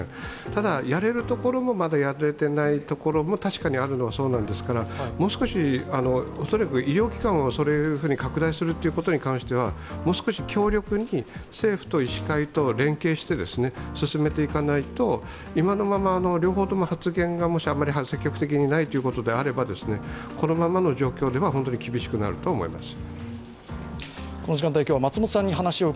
ただ、やれるところも、まだやれていないところも確かにあるのはそうなんですから、恐らく、医療機関をそのように拡大するということに関してはもう少し強力に政府と医師会と連携して進めていかないと今のまま、両方とも発言があまり積極的にないということであればこのままの状況では本当に厳しくなると思います。